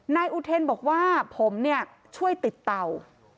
นายอุเทรนบอกว่าผมช่วยติดเตา